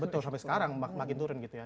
betul sampai sekarang makin turun gitu ya